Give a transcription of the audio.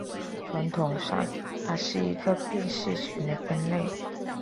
传统上它是一个并系群的分类。